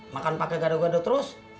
makan pakai gado gado terus